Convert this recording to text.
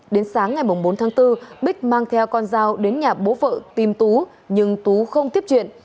đến sáng ngày bốn tháng bốn bích mang theo con dao đến nhà bố vợ tìm tú nhưng tú không tiếp chuyện